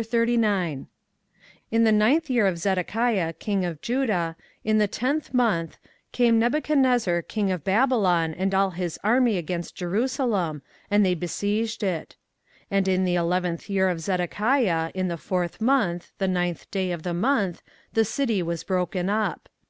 24:039:001 In the ninth year of Zedekiah king of Judah, in the tenth month, came Nebuchadrezzar king of Babylon and all his army against Jerusalem, and they besieged it. 24:039:002 And in the eleventh year of Zedekiah, in the fourth month, the ninth day of the month, the city was broken up.